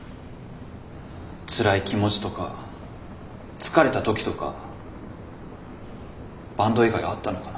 つらい気持ちとか疲れた時とかバンド以外あったのかな。